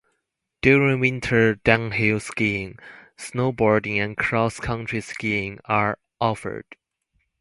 During winter downhill skiing, snowboarding and cross-country skiing are offered.